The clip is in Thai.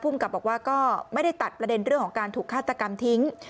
กับบอกว่าก็ไม่ได้ตัดประเด็นเรื่องของการถูกฆาตกรรมทิ้ง